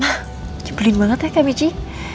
mah jebelin banget ya kak michi